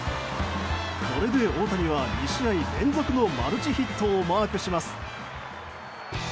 これで大谷は、２試合連続のマルチヒットをマークします。